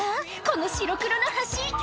この白黒の橋